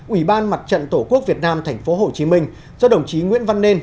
ủy ban mặt trận tổ quốc việt nam tp hcm do đồng chí nguyễn văn nên